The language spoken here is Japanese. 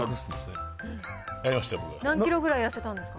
何キロぐらい痩せたんですか？